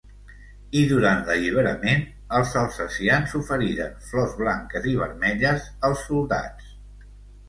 I durant l'Alliberament, els alsacians oferiren flors blanques i vermelles als soldats.